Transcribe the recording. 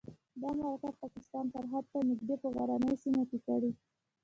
دا مرکه پاکستان سرحد ته نږدې په غرنۍ سیمه کې کړې.